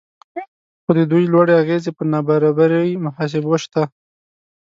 خو د دوی لوړې اغیزې پر نابرابرۍ محاسبو شته